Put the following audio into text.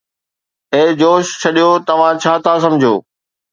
اي جوش جذبو! توهان ڇا ٿا سمجهو؟